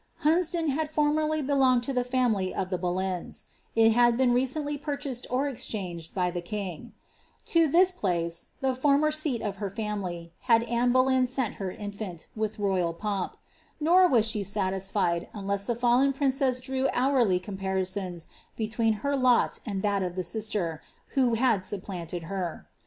Hnnadoo had formally beloand to the ftmihr rf Uie Boleyna; it had been recenthr porchaaed or exchaaged by iheuii^ To this place, the former seat of her &milv, had Anne B<^eyn acnt her faifimt, with royal pomp ; nor waa ahe aatiafied, unleaa the hllm prineM drew hourly comparisons, between her lot and that of the aiater, vbo had auppknted her.